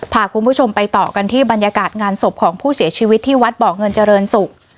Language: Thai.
พาคุณผู้ชมไปต่อกันที่บรรยากาศงานศพของผู้เสียชีวิตที่วัดบ่อเงินเจริญศุกร์